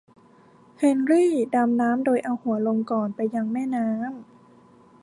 เฮนรี่ดำน้ำโดยเอาหัวลงก่อนไปยังแม่น้ำ